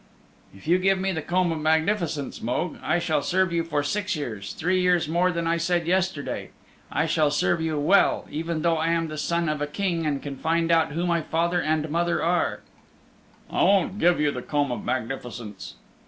"If you give me the Comb of Magnificence, Mogue, I shall serve you for six years three years more than I said yesterday. I shall serve you well, even though I am the son of a King and can find out who my father and mother are." "I won't give you the Comb of Magnificence."